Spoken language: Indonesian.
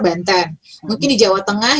banten mungkin di jawa tengah